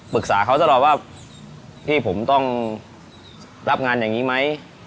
เขาตลอดว่าพี่ผมต้องรับงานอย่างนี้ไหม